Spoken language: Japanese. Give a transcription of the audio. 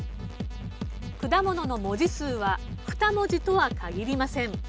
果物の文字数は２文字とは限りません。